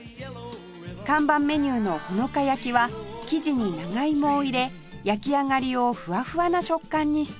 看板メニューのほの香焼きは生地に長芋を入れ焼き上がりをふわふわな食感にしています